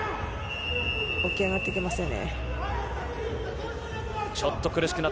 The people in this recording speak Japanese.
起き上がっていきませんね。